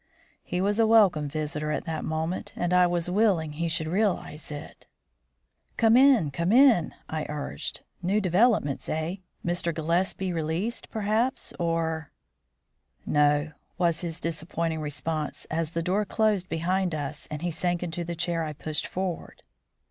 He was a welcome visitor at that moment, and I was willing he should realise it. "Come in; come in," I urged. "New developments, eh? Mr. Gillespie released, perhaps, or " "No," was his disappointing response as the door closed behind us and he sank into the chair I pushed forward.